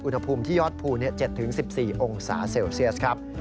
อุณหภูมิที่ยอดภู๗๑๔องศาเซลเซียสครับ